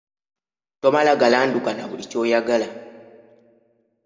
Tomala ‘galanduka’ na buli ky’oyagala.